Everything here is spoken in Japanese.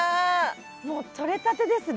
もうとれたてですね。